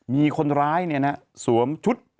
มีคนร้ายเนี่ยนะสวมชุด